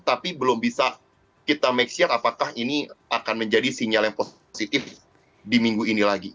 tapi belum bisa kita make sure apakah ini akan menjadi sinyal yang positif di minggu ini lagi